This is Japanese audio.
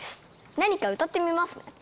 何か歌ってみます。